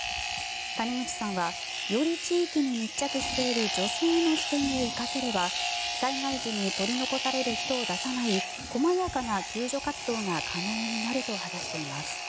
谷口さんはより地域に密着している女性の視点を生かせれば災害時に取り残される人を出さない細やかな救助活動が可能になると話しています。